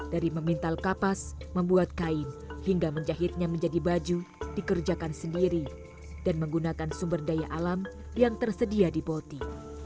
dari memintal kapas membuat kain hingga menjahitnya menjadi baju dikerjakan sendiri dan menggunakan sumber daya alam yang tersedia di boti